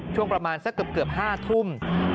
ช่วงประมาณสักเกือบ๕ทุ่ม